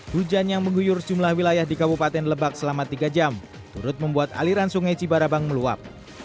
hujan yang mengguyur jumlah wilayah di kabupaten lebak selama tiga jam turut membuat aliran sungai cibarabang meluap